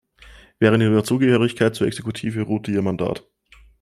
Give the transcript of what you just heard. Während ihrer Zugehörigkeit zur Exekutive ruhte ihr Mandat.